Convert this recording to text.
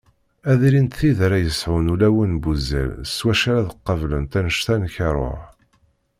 Ad ilint tid ara yesɛun ulawen n wuzzal s wacu ara qablent anect-a n karuh.